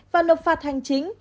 và lộ phạt hành chính